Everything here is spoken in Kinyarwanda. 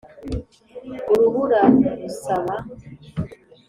urubura rusaba;